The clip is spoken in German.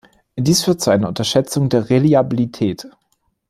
Dies führt zu einer Unterschätzung der Reliabilität.